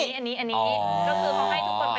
อันนี้อันนี้ก็คือต้องให้ทุกคนไปได้๒๘